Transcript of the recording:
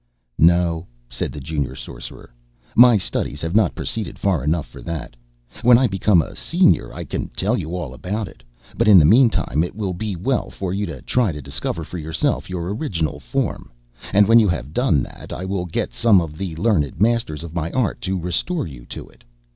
"No," said the Junior Sorcerer, "my studies have not proceeded far enough for that. When I become a senior I can tell you all about it. But, in the meantime, it will be well for you to try to discover for yourself your original form, and when you have done that, I will get some of the learned masters of my art to restore you to it.